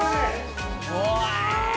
「うわ！」